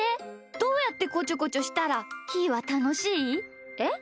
どうやってこちょこちょしたらひーはたのしい？えっ？